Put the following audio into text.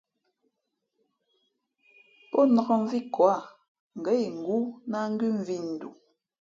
Pō nāk mvi ko ǎ, ngα̌ ingóó ná ngʉ mvī ndoo.